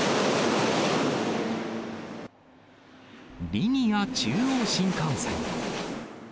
リニア中央新幹線。